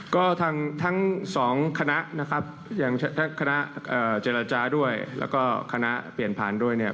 ก็ทั้งสองคณะนะครับอย่างทั้งคณะเจรจาด้วยแล้วก็คณะเปลี่ยนผ่านด้วยเนี่ย